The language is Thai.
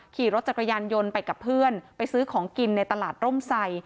ขี่รถจักรยานยนต์ไปกับเพื่อนไปซื้อของกินในตลาดร่มไซ